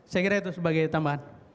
saya kira itu sebagai tambahan